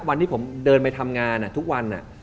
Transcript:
วันที่ผมเดินไปทำงานทุกวัน